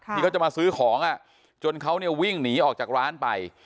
ที่เขาจะมาซื้อของจนเขาเนี่ยวิ่งหนีออกจากร้านไป